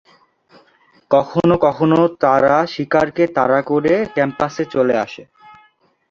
কখনও কখনও তারা শিকার কে তাড়া করে ক্যাম্পাসে চলে আসে।